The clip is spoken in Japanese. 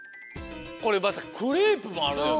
これまたクレープもあるよね。